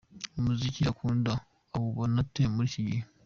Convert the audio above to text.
Umuziki akunda awubona ate muri iki gihe?.